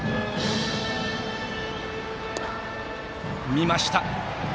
見ました。